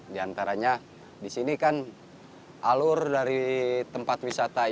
di antaranya di sini kan alur dari tempat wisata